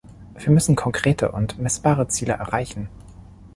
Wir müssen konkrete und messbare Ziele erreichen.